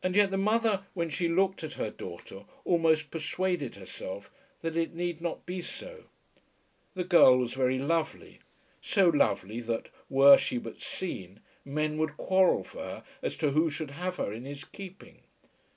And yet the mother when she looked at her daughter almost persuaded herself that it need not be so. The girl was very lovely, so lovely that, were she but seen, men would quarrel for her as to who should have her in his keeping.